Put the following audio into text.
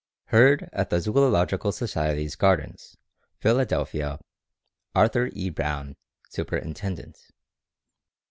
_Herd at the Zoological Society's Gardens, Philadelphia, Arthur E. Brown, superintendent.